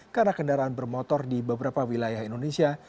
karena kendaraan bermotor di beberapa wilayah indonesia